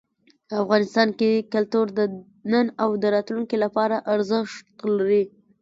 افغانستان کې کلتور د نن او راتلونکي لپاره ارزښت لري.